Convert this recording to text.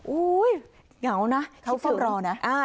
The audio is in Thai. อุ๊ยเหงานะเขาต้องรอนะ